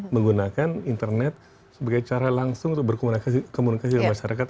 menggunakan internet sebagai cara langsung untuk berkomunikasi dengan masyarakat